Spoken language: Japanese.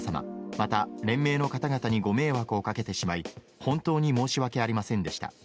また、連盟の方々にご迷惑をかけてしまい本当に申し訳ありませんでした。